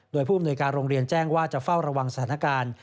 โดยผู้อำนวยการโรงเรียนแจ้งว่าจะเฝ้าระวังสถานการณ์